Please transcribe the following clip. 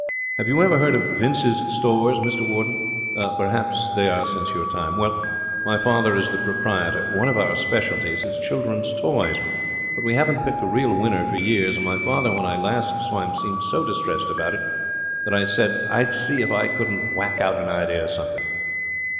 Have you ever heard of Vince's Stores, Mr Warden? Perhaps they are since your time. Well, my father is the proprietor. One of our specialities is children's toys, but we haven't picked a real winner for years, and my father when I last saw him seemed so distressed about it that I said I'd see if I couldn't whack out an idea for something.